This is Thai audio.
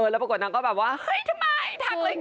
แล้วปรากฏนางก็แบบว่าเฮ้ยทำไมทักอะไรอย่างนี้